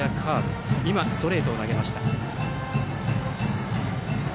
そして、ストレートを投げました。